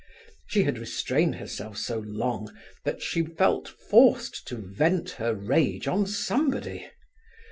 She had restrained herself so long that she felt forced to vent her rage on somebody.